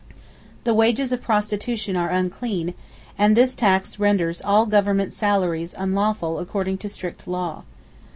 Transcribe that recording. The wages of prostitution are unclean, and this tax renders all Government salaries unlawful according to strict law.